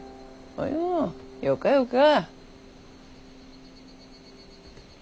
およよかよか。